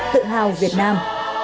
tự hào việt nam